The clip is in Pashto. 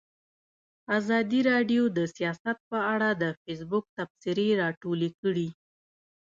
ازادي راډیو د سیاست په اړه د فیسبوک تبصرې راټولې کړي.